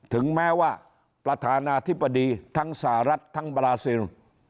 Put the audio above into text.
ถึงแม้ว่าประธานาธิบดีทั้งสหรัฐทั้งบราซิล